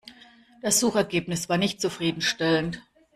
Das Suchergebnis war nicht zufriedenstellend.